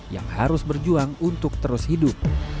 yang harus berjuang untuk terus hidup